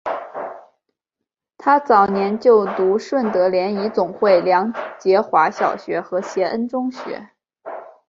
她早年就读顺德联谊总会梁洁华小学和协恩中学。